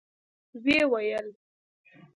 ويې ويل: